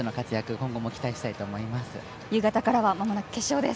今後も期待したいと思います。